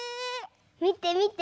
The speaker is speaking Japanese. みてみて。